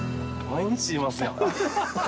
毎日いますよ。